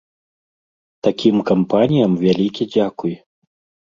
Такім кампаніям вялікі дзякуй.